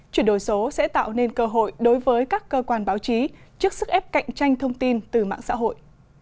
chuyển đổi số sẽ tạo nên cơ hội đối với các cơ quan báo chí trước sức ép cạnh tranh thông tin từ mạng xã hội